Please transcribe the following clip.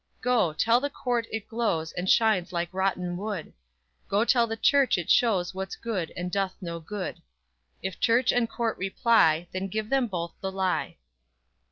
_ _"Go, tell the court it glows And shines like rotten wood; Go tell the church it shows What's good, and doth no good. If church and court reply, Then give them both the lie!